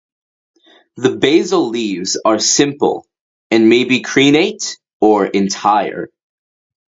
The basal leaves are simple and may be crenate or entire.